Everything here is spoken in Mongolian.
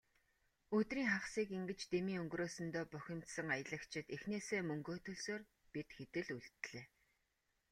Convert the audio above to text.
Өдрийн хагасыг ингэж дэмий өнгөрөөсөндөө бухимдсан аялагчид эхнээсээ мөнгөө төлсөөр, бид хэд л үлдлээ.